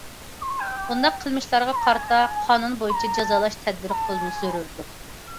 بۇنداق قىلمىشلارغا قارىتا قانۇن بويىچە جازالاش تەدبىرى قوللىنىش زۆرۈر.